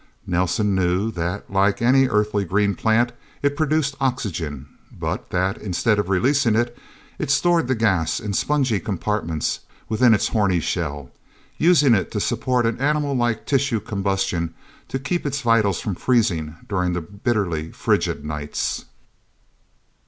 Nelsen knew that, like any Earthly green plant, it produced oxygen, but that, instead of releasing it, it stored the gas in spongy compartments within its horny shell, using it to support an animal like tissue combustion to keep its vitals from freezing during the bitterly frigid nights.